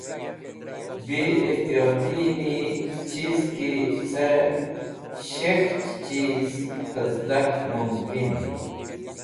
Bi ityotighni khiz ki cẽ shek̃hch chiz fẽzdak mumkin.